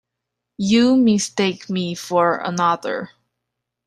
You mistake me for another.